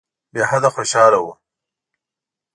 بېحده خوشاله وو.